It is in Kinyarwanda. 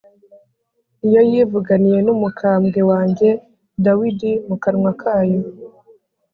ni yo yivuganiye n’umukambwe wanjye dawidi mu kanwa kayo,